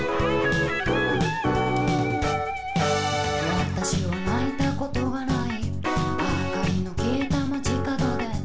「私は泣いたことがない」「灯の消えた街角で」